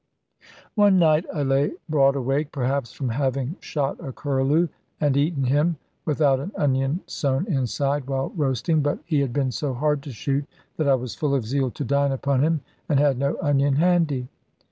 One night I lay broad awake, perhaps from having shot a curlew, and eaten him, without an onion sewn inside while roasting, but he had been so hard to shoot that I was full of zeal to dine upon him, and had no onion handy.